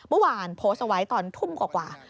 เมื่อวานโพสต์เอาไว้ตอนทุ่มกว่า